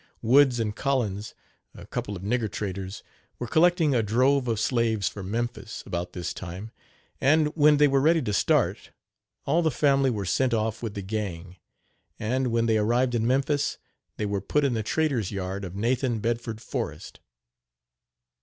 Woods and Collins, a couple of "nigger traders," were collecting a "drove" of slaves for Memphis, about this time, and, when they were ready to start, all the family were sent off with the gang; and, when they arrived in Memphis, they were put in the traders' yard of Nathan Bedford Forrest.